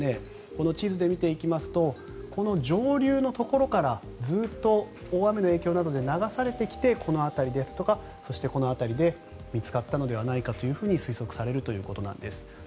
この地図で見ていきますとこの上流のところからずっと大雨の影響などで流されてきてこの辺りですとかこの辺りで見つかったのではないかと推測されるということです。